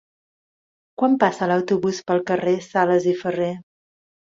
Quan passa l'autobús pel carrer Sales i Ferré?